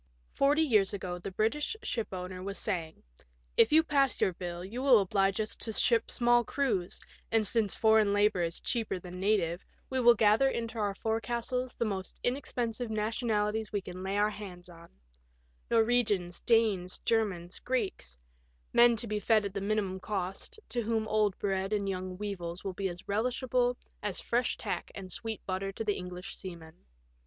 Forty years ago the British shipowner was saying, " If you pass your bill, you will oblige us to ship small crews, and since foreign labour is cheaper than native, we will gather TJ^jB; BRITISH SAILOB. 159 into our forecastles the most inexpensive nationalities we can lay our hands on — Norwegians, Danes, Germans, Greeks ; men to be fed at the minimum cost, to whom old bread and young weevils will be as relishable as fresh tack and sweet butter to the English seaman.